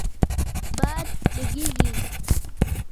باد لږیږی